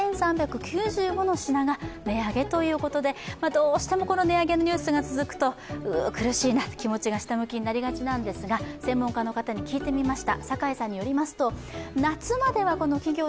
どうしても値上げのニュースが続くとうー、苦しいなと気持ちが下向きになりがちなんですが、専門家の方に聞いてみました。